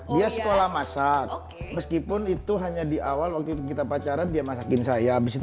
dia sekolah masak meskipun itu hanya di awal waktu itu kita pacaran dia masakin saya habis itu